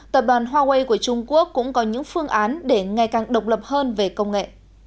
tập đoàn huawei của trung quốc cũng có những phương án để ngày càng độc lập hơn về công nghệ